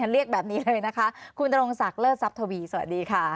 เรียกแบบนี้เลยนะคะคุณนรงศักดิ์เลิศทรัพย์ทวีสวัสดีค่ะ